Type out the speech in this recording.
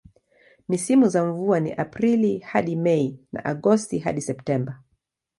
Misimu za mvua ni Aprili hadi Mei na Agosti hadi Septemba.